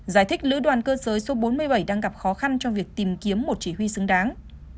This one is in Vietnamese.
giải thích lữ đoàn cơ giới số bốn mươi bảy đang gặp khó khăn cho việc tìm kiếm một chỉ huy xứng đáng